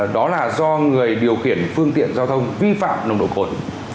đó là do người điều khiển phương tiện giao thông vi phạm nồng độ cồn